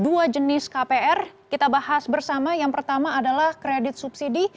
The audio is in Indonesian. dua jenis kpr kita bahas bersama yang pertama adalah kredit subsidi